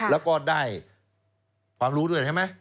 แล้วก็ได้ความรู้ด้วยใช่ไหม